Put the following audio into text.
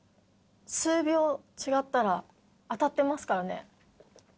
数秒違ったら、当たってますからね。